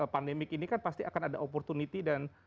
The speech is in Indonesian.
pandemik ini kan pasti akan ada opportunity dan